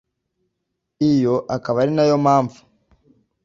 Iyo akaba ari nayo mpamvu